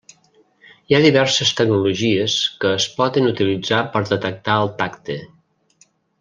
Hi ha diverses tecnologies que es poden utilitzar per detectar el tacte.